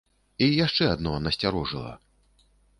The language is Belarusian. І яшчэ адно насцярожыла.